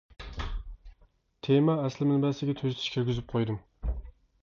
تېما ئەسلى مەنبەسىگە تۈزىتىش كىرگۈزۈپ قويدۇم.